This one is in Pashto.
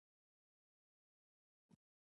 ازادي راډیو د کلتور بدلونونه څارلي.